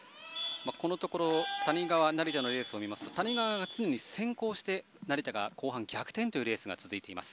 このところ谷川、成田のレースを見ますと谷川が常に先行して成田が後半、逆転というレースが続いています。